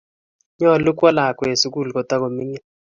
nyoluu kuwo lakwee sukul kotakominik